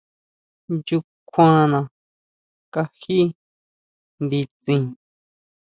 ¿ʼNchukjuana kají nditsin?